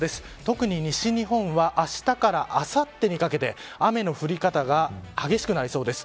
特に西日本はあしたからあさってにかけて雨の降り方が激しくなりそうです。